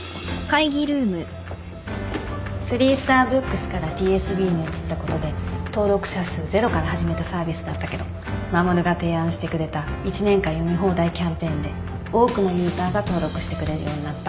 スリースターブックスからＴＳＢに移ったことで登録者数ゼロから始めたサービスだったけど衛が提案してくれた１年間読み放題キャンペーンで多くのユーザーが登録してくれるようになった。